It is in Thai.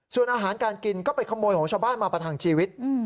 ส่วนอาหารการกินก็ไปขโมยของชาวบ้านมาประทังชีวิต